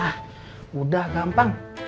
hah udah gampang